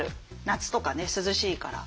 夏とかね涼しいから。